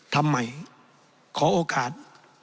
ทำใหม่ขอโอกาส